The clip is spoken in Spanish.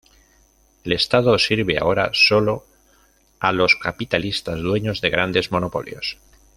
El estado sirve ahora solo a los capitalistas dueños de grandes monopolios.